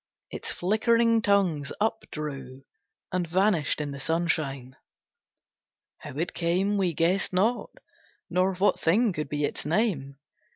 Its flickering tongues up drew And vanished in the sunshine. How it came We guessed not, nor what thing could be its name.